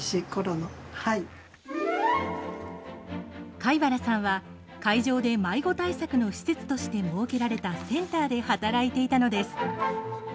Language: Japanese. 飼原さんは会場で迷子対策の施設として設けられたセンターで働いていたのです。